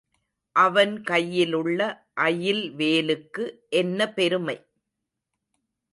அவன் கையிலுள்ள அயில் வேலுக்கு என்ன பெருமை?